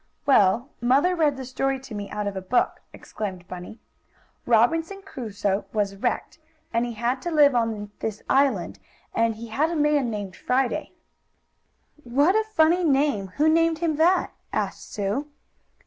"Well, mother read the story to me out of a book," explained Bunny. "Robinson Crusoe was wrecked, and he had to live on this island, and he had a man named Friday." "What a funny name! Who named him that?" asked Sue.